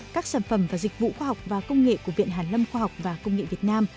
các sản phẩm và dịch vụ khoa học và công nghệ của viện hàn lâm khoa học và công nghệ việt nam